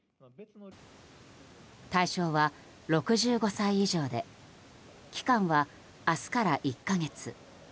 対象は６５歳以上で期間は明日から１か月。